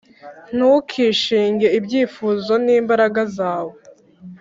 Ntukishinge ibyifuzo n’imbaraga zawe,